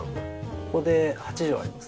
ここで８畳あります。